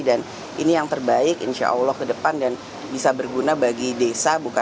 dan ini yang terbaik insya allah ke depan dan bisa berguna bagi desa